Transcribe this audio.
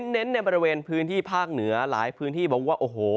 เน้นในบริเวณพื้นที่ภาคเหนือหลายพื้นที่บอกว่าโอ้โห